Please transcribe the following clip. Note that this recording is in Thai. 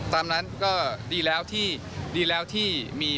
ตามนั้นก็ดีแล้วที่มีภาพดีออกมา